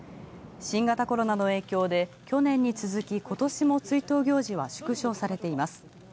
新型コロナの影響で去年に続き今年も追悼行事は縮小されています。